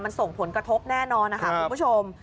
มันส่งผลกระทบแน่นอนนะคะคุณผู้ชม